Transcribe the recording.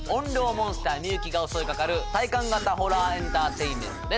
モンスター美雪が襲いかかる体感型ホラーエンターテインメントです